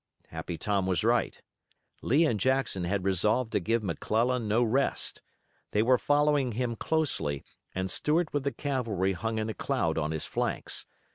Happy Tom was right. Lee and Jackson had resolved to give McClellan no rest. They were following him closely and Stuart with the cavalry hung in a cloud on his flanks.